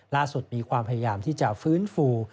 ล่าสุดมีความพยายามที่จะฟื้นฟู